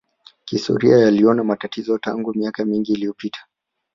Kihistoria yaliona matatizo tangu miaka mingi iliyopita